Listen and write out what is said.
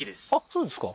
そうですか